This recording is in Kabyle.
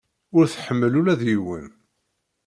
Ur tḥemmel ula d yiwen.